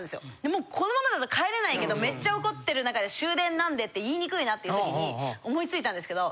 もうこのままだと帰れないけどめっちゃ怒ってる中で「終電なんで」って言いにくいなっていうときに思いついたんですけど